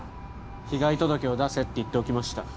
被害届を出せって言っておきました